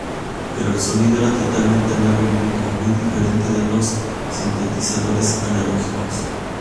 Pero el sonido era totalmente nuevo y único, muy diferente de los sintetizadores analógicos.